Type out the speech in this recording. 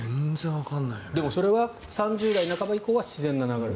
でもそれは３０代半ば以降は自然な流れ。